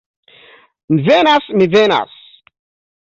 Mi venas, mi venas!